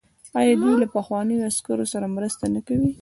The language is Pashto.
آیا دوی له پخوانیو عسکرو سره مرسته نه کوي؟